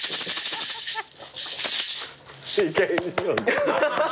いいかげんにしろ。